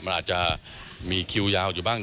มันอาจจะมีคิวยาวอยู่บ้าง